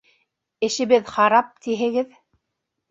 Эшебеҙ харап, тиһегеҙ.